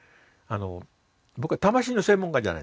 僕は魂の専門家じゃないんです。